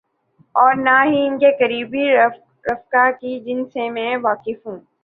اورنہ ہی ان کے قریبی رفقا کی، جن سے میں واقف ہوں۔